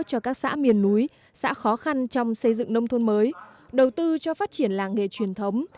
cho các xã miền núi xã khó khăn trong xây dựng nông thôn mới đầu tư cho phát triển làng nghề truyền thống